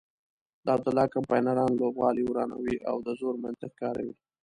د عبدالله کمپاینران لوبغالی ورانوي او د زور منطق کاروي.